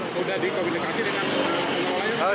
sudah dikomunikasi dengan orang lain